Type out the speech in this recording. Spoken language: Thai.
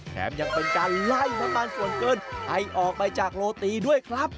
แถมยังเป็นการไล่น้ำมันส่วนเกินให้ออกไปจากโรตีด้วยครับ